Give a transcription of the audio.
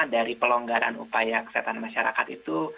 dari pelonggaran upaya kesehatan masyarakat itu